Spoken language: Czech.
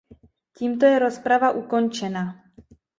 Tímto je rozprava ukončena.